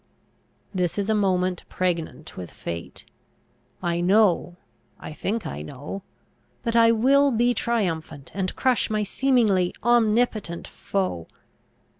This is a moment pregnant with fate. I know I think I know that I will be triumphant, and crush my seemingly omnipotent foe.